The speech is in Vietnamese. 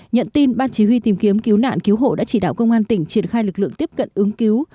nhận tin ban chỉ huy tìm kiếm cứu nạn cứu hộ đã chỉ đạo công an tỉnh triển khai lực lượng tiếp cận ứng cứu